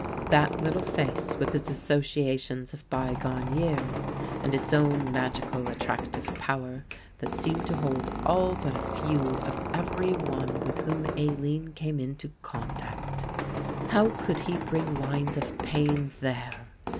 That little face with its associations of bygone years, and its own magical attractive power that seemed to hold all but a few of every one with whom Aline came into contact! How could he bring lines of pain there?